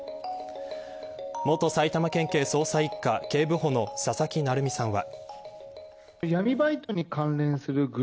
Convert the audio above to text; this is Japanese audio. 元埼玉県警捜査一課警部補の佐々木成三さんは。